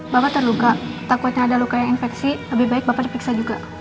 bapak terluka takutnya ada luka yang infeksi lebih baik bapak dipiksa juga